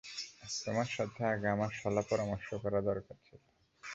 তোমার সাথে আগে আমার শলা-পরামর্শ করা দরকার ছিল।